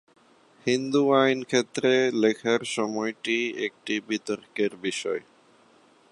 হিন্দু আইন ক্ষেত্রে লেখার সময়টি একটি বিতর্কের বিষয়।